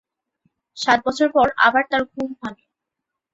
সাত বছর পর আবার তার ঘুম ভাঙে।